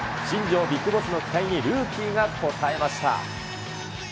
新庄ビッグボスの期待に、ルーキーが応えました。